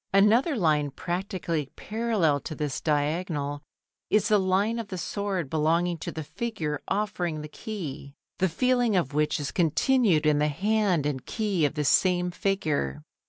Another line practically parallel to this diagonal is the line of the sword belonging to the figure offering the key, the feeling of which is continued in the hand and key of this same figure.